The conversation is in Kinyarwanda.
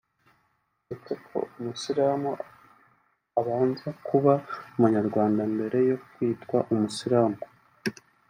ndetse ko umusilamu abanza kuba umunyarwanda mbere yo kwitwa umusilamu